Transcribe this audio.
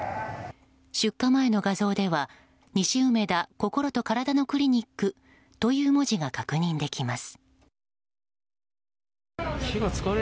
出火前の画像では西梅田こころとからだのクリニックという文字が確認できます。